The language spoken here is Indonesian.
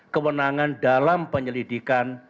kewenangan dalam penyelidikan